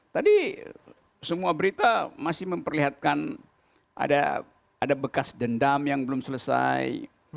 tadi semua berita masih memperlihatkan ada bekas dendam yang belum selesai